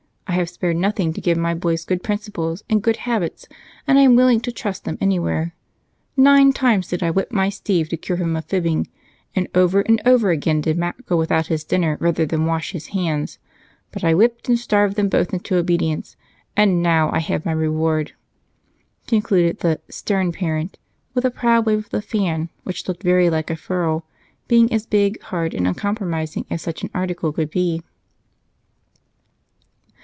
I have spared nothing to give my boys good principles and good habits, and I am willing to trust them anywhere. Nine times did I whip my Steve to cure him of fibbing, and over and over again did Mac go without his dinner rather than wash his hands. But I whipped and starved them both into obedience, and now I have my reward," concluded the "stern parent" with a proud wave of the fan, which looked very like a ferule, being as big, hard, and uncompromising as such an article could be.